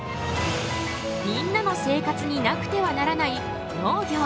みんなの生活になくてはならない農業！